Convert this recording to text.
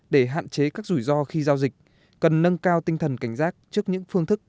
để hạn chế các rủi ro khi giao dịch cần nâng cao tinh thần cảnh giác trước những phương thức